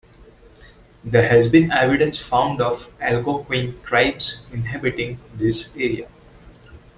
There has been evidence found of Algonquin tribes inhabiting this area.